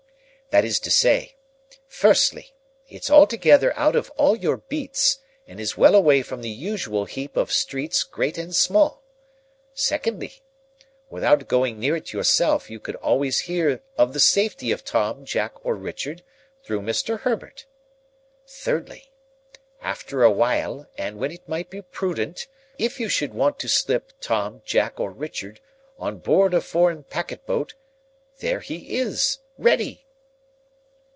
That is to say: Firstly. It's altogether out of all your beats, and is well away from the usual heap of streets great and small. Secondly. Without going near it yourself, you could always hear of the safety of Tom, Jack, or Richard, through Mr. Herbert. Thirdly. After a while and when it might be prudent, if you should want to slip Tom, Jack, or Richard on board a foreign packet boat, there he is—ready."